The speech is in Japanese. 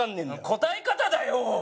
答え方だよ！